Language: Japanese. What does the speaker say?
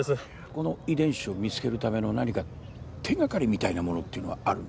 この遺伝子を見つけるための何か手掛かりみたいなものというのはあるんでしょうか？